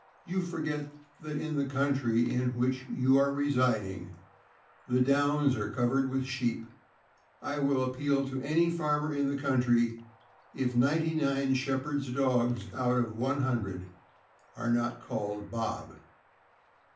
You forget that in the county in which you are residing the downs are covered with sheep. I will appeal to any farmer in the country, if ninety nine shepherd' s dogs out of one hundred are not called Bob.